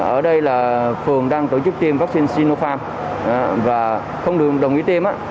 ở đây là phường đang tổ chức tiêm vaccine sinopharm và không đồng ý tiêm á